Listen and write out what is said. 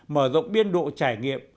mở rộng biên độ trải nghiệm